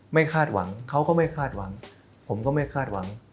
คาดหวังเขาก็ไม่คาดหวังผมก็ไม่คาดหวัง